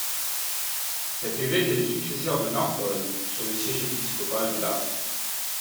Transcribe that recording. Cet évêque est le successeur de Nartold sur le siège épiscopal d'Apt.